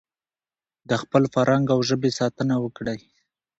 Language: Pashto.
د خپل فرهنګ او ژبې ساتنه وکړئ.